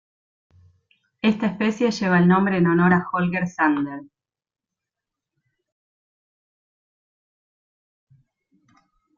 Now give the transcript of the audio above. Esta especie lleva el nombre en honor a Holger Sander.